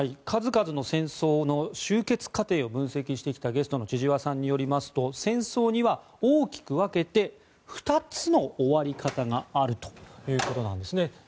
数々の戦争の終結過程を分析してきたゲストの千々和さんによりますと戦争には大きく分けて２つの終わり方があるということなんですね。